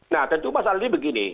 nah tentu masalah ini begini